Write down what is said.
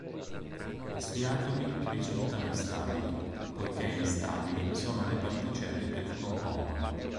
Questi atomi risultano instabili, poiché instabili sono le particelle che lo compongono.